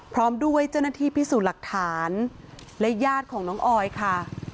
พร้อมด้วยเจ้าหน้าที่พิสูจน์หลักฐานและญาติของน้องออยค่ะ